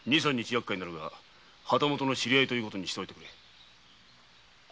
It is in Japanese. やっかいになるが旗本の知り合いということにしてくれ。